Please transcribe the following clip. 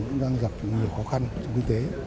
cũng đang gặp nhiều khó khăn trong kinh tế